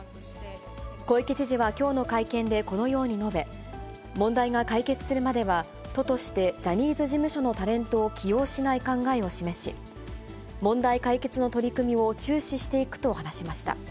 小池知事はきょうの会見でこのように述べ、問題が解決するまでは、都としてジャニーズ事務所のタレントを起用しない考えを示し、問題解決の取り組みを注視していくと話しました。